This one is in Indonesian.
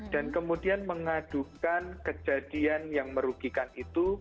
kemudian mengadukan kejadian yang merugikan itu